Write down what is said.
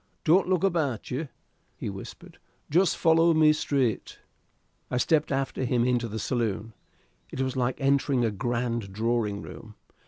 "Don't look about you," he whispered; "just follow me straight." I stepped after him into the saloon. It was like entering a grand drawing room.